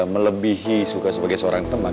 melebihi suka sebagai seorang teman